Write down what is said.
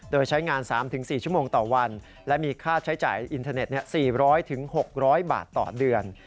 โดยใช้งาน๓๔ชั่วโมงต่อวันและมีค่าใช้จ่ายอินเทอร์เน็ต๔๐๐๖๐๐บาทต่อเดือน